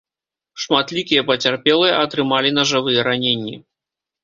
Шматлікія пацярпелыя атрымалі нажавыя раненні.